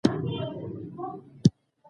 هغې یوازې د ټولنې د اصلاح په نیت شکایت کړی و.